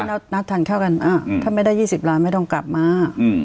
แล้วนัดทานข้าวกันถ้าไม่ได้๒๐ล้านไม่ต้องกลับมา